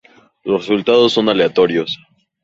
Los resultados son aleatorios.